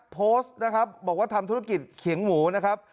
โพสต์นะครับบอกว่าทำธุรกิจเขียงหมูนะครับ